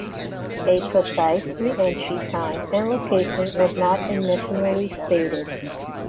A precise re-entry time and location was not initially stated.